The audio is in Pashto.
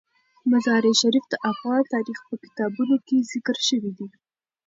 مزارشریف د افغان تاریخ په کتابونو کې ذکر شوی دي.